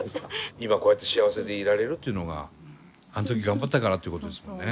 今こうやって幸せでいられるっていうのがあの時頑張ったからっていうことですもんね。